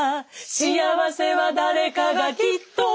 「幸福は誰かがきっと」